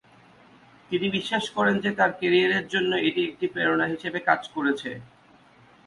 তিনি বিশ্বাস করেন যে তার ক্যারিয়ারের জন্য এটি একটি প্রেরণা হিসাবে কাজ করেছে।